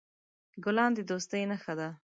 ګلان د دوستۍ نښه ده.